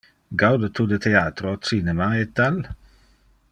Gaude tu de theatro, cinema, e tal?